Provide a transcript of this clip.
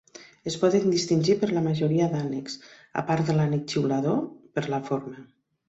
Es poden distingir de la majoria d'ànecs, apart de l'ànec xiulador, per la forma.